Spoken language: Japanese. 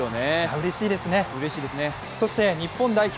うれしいですね、そして日本代表